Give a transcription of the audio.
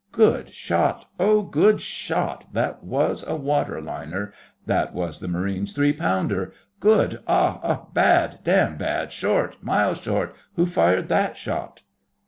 'Good shot. Oh, good shot! That was a water liner. ... That was the Marines' three pounder. Good! ... Ah—ah! Bad. Damn bad! Short! Miles short! Who fired that shot?